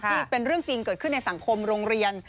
เป็นเรื่องจริงเกิดขึ้นในสังคมโรงเรียน